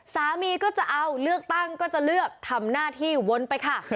สามีก็จะเอาเลือกตั้งก็จะเลือกทำหน้าที่วนไปค่ะ